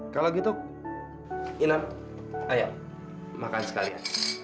kalau gitu inap ayo makan sekalian